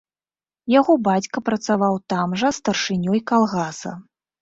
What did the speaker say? Яго бацька працаваў там жа старшынёй калгаса.